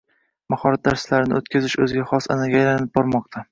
mahorat darslarini o’tkazish o’ziga xos an’anaga aylanib bormoqda